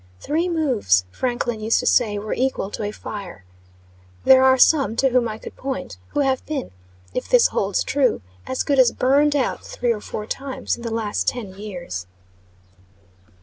Three moves, Franklin used to say, were equal to a fire. There are some to whom I could point, who have been, if this holds true, as good as burned out, three or four times in the last ten years.